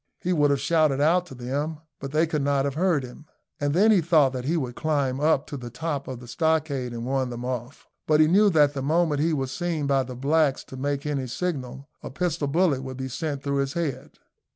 He would have shouted out to them, but they could not have heard him; and then he thought that he would climb up to the top of the stockade and warn them off; but he knew that the moment he was seen by the blacks to make any signal, a pistol bullet would be sent through his head.